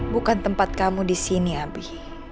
bukan tempat kamu disini abi